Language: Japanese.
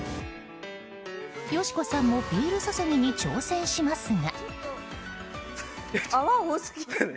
よしこさんもビール注ぎに挑戦しますが。